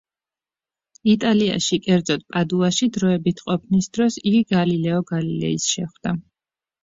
იტალიაში, კერძოდ, პადუაში დროებით ყოფნის დროს, იგი გალილეო გალილეის შეხვდა.